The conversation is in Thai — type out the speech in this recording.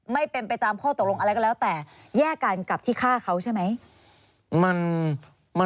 ไม่เป็นไปตามข้อตกลงอะไรก็แล้วแต่แยกกันกับที่ฆ่าเขาใช่ไหม